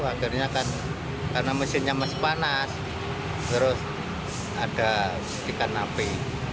akhirnya kan karena mesinnya masih panas terus ada setikan api